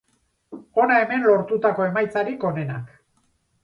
Hona hemen lortutako emaitzarik onenak.